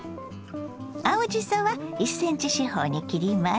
青じそは１ｃｍ四方に切ります。